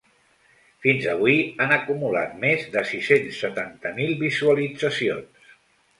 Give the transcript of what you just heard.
Fins avui, han acumulat més de sis-cents setanta mil visualitzacions.